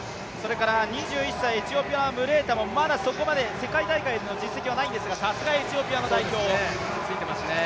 ２１歳のエチオピアのムレータもまだそこまで、世界大会の実績はないんですが、さすがエチオピアの代表。